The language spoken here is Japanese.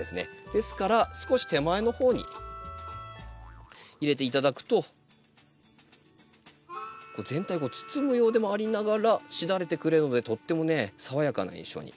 ですから少し手前の方に入れて頂くと全体をこう包むようでもありながらしだれてくれるのでとってもね爽やかな印象に。